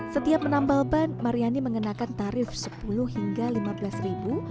setiap menambal ban maryani mengenakan tarif sepuluh hingga lima belas ribu